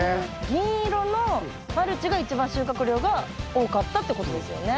銀色のマルチが一番収穫量が多かったってことですよね。